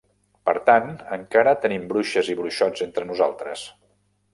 Per tant, encara tenim bruixes i bruixots entre nosaltres.